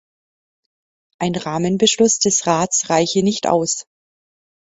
Ein Rahmenbeschluss des Rats reiche nicht aus.